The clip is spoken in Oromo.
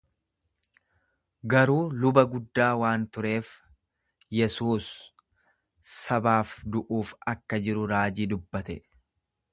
Garuu luba guddaa waan tureef, Yesuus sabaaf du'uuf akka jiru raajii dubbate.